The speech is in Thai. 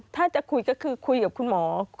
ถ้าจะคุยก็คือคุยกับคุณหมอ